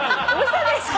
嘘でしょ！？